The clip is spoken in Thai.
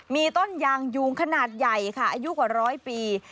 มีต้นยางยูงขนาดใหญ่ค่ะอายุกว่าร้อยปี